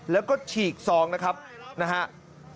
แล้วก็ฉีกซองนะครับนะฮะ